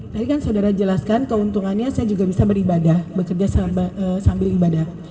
tadi kan saudara jelaskan keuntungannya saya juga bisa beribadah bekerja sambil ibadah